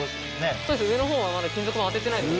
そうです上のほうはまだ金属板当ててないです。